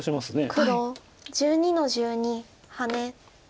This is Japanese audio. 黒１２の十二ハネ。